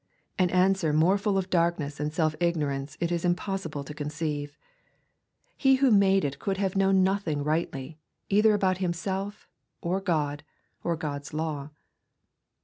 — An answer more full of darkness and self igno rance it is impossible to conceive 1 He who made it could have known nothing rightly, either about himself, or God, or God's law.